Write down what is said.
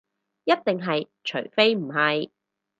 一定係，除非唔係